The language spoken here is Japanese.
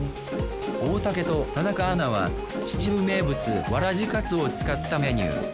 大竹と田中アナは秩父名物わらじかつを使ったメニュー。